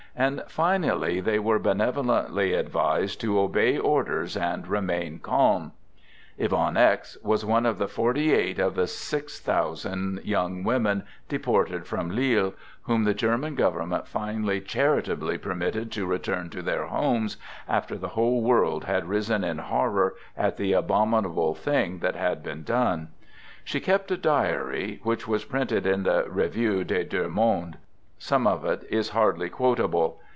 And finally they were benevolently advised to obey orders and " remain calm !" Yvonne X was one of the forty eight of the 6000 young women deported from Lille, whom the German government finally charitably permitted to return to their homes, after the whole world had risen in horror at the abominable thing that had been done. She kept a diary, which was printed in the Revue des Deux Mondes. Some of it is hardly quotable.